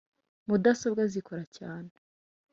Mudasobwa zikora cyane.